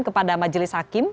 kepada majelis hakim